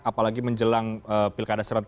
apalagi menjelang pilkada seribu